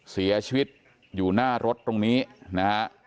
เสียชีวิตอยู่หน้ารถตรงนี้นะฮะ